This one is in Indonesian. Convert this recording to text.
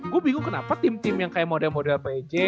gue bingung kenapa tim tim yang kayak model model pej